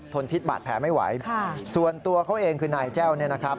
ทนพิษบาดแพ้ไม่ไหวค่ะส่วนตัวเขาเองคือนายเจ้านะครับ